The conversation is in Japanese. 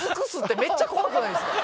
めっちゃ怖くないっすか？